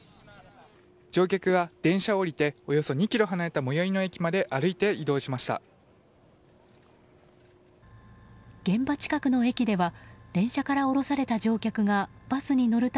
乗客は電車を降りておよそ２ｋｍ離れた最寄りの駅まで歩いて移動しました。